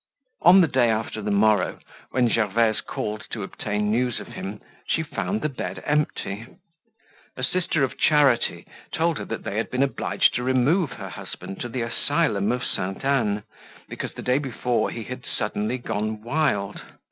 On the day after the morrow, when Gervaise called to obtain news of him, she found the bed empty. A Sister of Charity told her that they had been obliged to remove her husband to the Asylum of Sainte Anne, because the day before he had suddenly gone wild.